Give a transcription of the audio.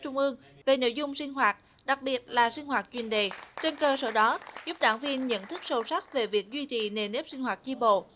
trung ương về nội dung sinh hoạt đặc biệt là sinh hoạt chuyên đề trên cơ sở đó giúp đảng viên nhận thức sâu sắc về việc duy trì nền nếp sinh hoạt tri bộ